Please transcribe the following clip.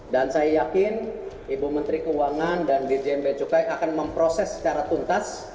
dan saya yakin ibu menteri keuangan dan djmb cukai akan memproses secara tuntas